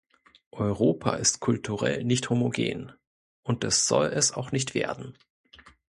Europa ist kulturell nicht homogen, und es soll es auch nicht werden.